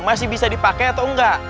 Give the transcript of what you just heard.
masih bisa dipakai atau enggak